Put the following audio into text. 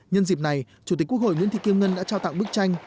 nhân dịp này chủ tịch quốc hội nguyễn thị kim ngân đã trao tặng bức tranh